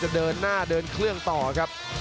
ขวาแยกออกมาอีกครั้งครับ